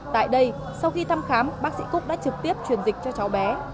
tại đây sau khi thăm khám bác sĩ cúc đã trực tiếp truyền dịch cho cháu bé